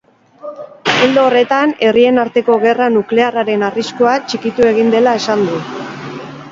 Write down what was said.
Ildo horretan, herrien arteko gerra nuklearraren arriskua txikitu egin dela esan du.